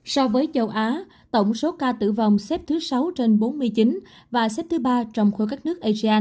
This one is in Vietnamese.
so với châu á tổng số ca tử vong xếp thứ sáu trên bốn mươi chín và xếp thứ ba trong khối các nước asean